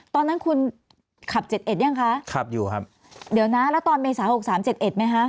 ตอนนั้นคุณขับ๗๑ยังคะครับอยู่ครับเดี๋ยวนะแล้วตอนเมษา๖๓๗๑ไหมฮะ๗๑ครับ